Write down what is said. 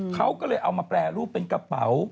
เขาก็เลยเอามาแปรรูปเป็นกระเป๋า